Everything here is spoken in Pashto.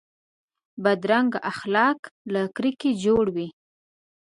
بدرنګه اخلاق له کرکې جوړ وي